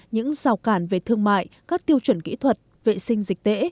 những rào cản về thương mại các tiêu chuẩn kỹ thuật vệ sinh dịch tễ